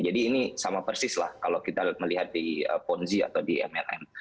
jadi ini sama persis lah kalau kita melihat di ponzi atau di mlm